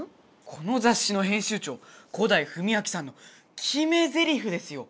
このざっしの編集長古代文明さんのきめゼリフですよ。